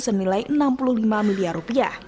semilai enam puluh lima miliar rupiah